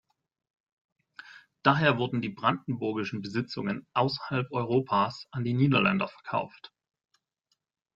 Daher wurden die brandenburgischen Besitzungen außerhalb Europas an die Niederländer verkauft.